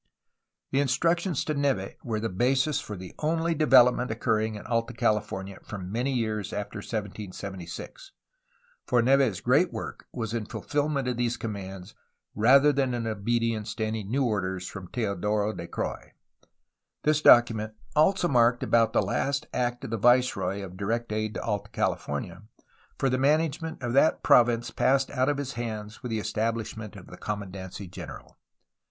The instructions to Neve were the basis for the only development occurring in Alta California for many years after 1776, for Neve's great work was in fulfilment of these commands rather than in obedience to any new orders from Teodoro de Croix. This document also marked about the last act of the viceroy of direct aid to Alta California, for the management of that province passed out of his hands with BUCARELI'S ATTENTION TO LOCAL PROBLEMS 293 I the establishment of the commandancy general.